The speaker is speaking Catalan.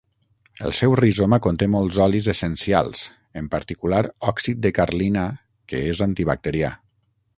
El seu rizoma conté molts olis essencials en particular òxid de carlina que és antibacterià.